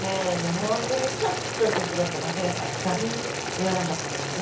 ホントにちょっと手伝っただけだからさ言わなかったんだよね。